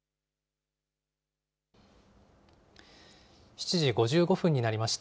７時５５分になりました。